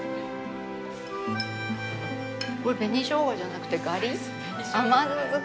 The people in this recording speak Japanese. これ紅しょうがじゃなくてガリ甘酢漬け。